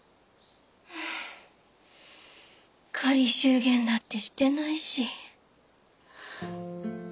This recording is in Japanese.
仮祝言だってしてないし。